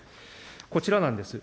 こちらなんです。